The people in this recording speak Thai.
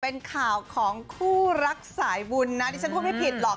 เป็นข่าวของคู่รักสายบุญนะดิฉันพูดไม่ผิดหรอก